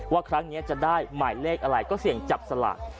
ว่าครั้งนี้จะได้หมายเลขอะไรก็เสี่ยงจับสลาก